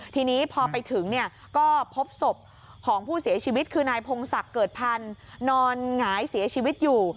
ทีนี้พอไปถึงเนี่ยก็พบศพของผู้เสียชีวิตคือนายพงศักดิ์เกิดพันธ์นอนหงายเสียชีวิตอยู่